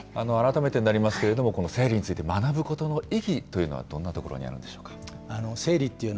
改めてになりますけれども、この生理について学ぶことの意義というのは、どんなところにあるんでしょう。